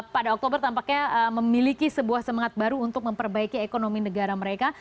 pada oktober tampaknya memiliki sebuah semangat baru untuk memperbaiki ekonomi negara mereka